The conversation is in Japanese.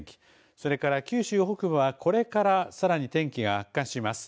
それから九州北部はこれからさらに天気が悪化します。